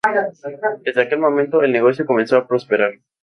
Desde aquel momento el negocio comenzó a prosperar.